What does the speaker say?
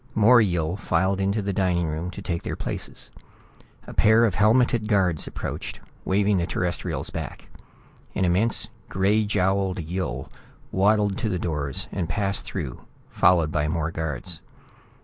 More Yill filed into the dining room to take their places. A pair of helmeted guards approached, waving the Terrestrials back. An immense gray jowled Yill waddled to the doors and passed through, followed by more guards.